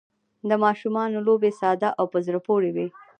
د ماشومانو لوبې ساده او په زړه پورې وي.